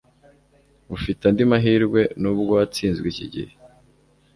Ufite andi mahirwe nubwo watsinzwe iki gihe